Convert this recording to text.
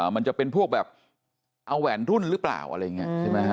มันจะเป็นพวกแบบเอาแหวนรุ่นหรือเปล่าอะไรอย่างนี้ใช่ไหมฮะ